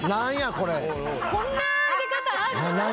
こんなあげ方ある？